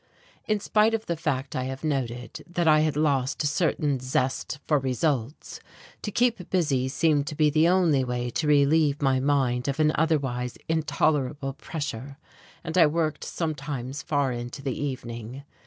In spite of the fact I have noted, that I had lost a certain zest for results, to keep busy seemed to be the only way to relieve my mind of an otherwise intolerable pressure: and I worked sometimes far into the evening.